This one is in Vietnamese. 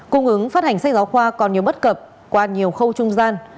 cung ứng phát hành sách giáo khoa còn nhiều bất cập qua nhiều khâu trung gian